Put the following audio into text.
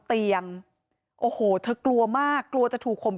มีชายแปลกหน้า๓คนผ่านมาทำทีเป็นช่วยค่างทาง